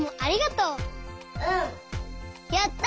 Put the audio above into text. やった！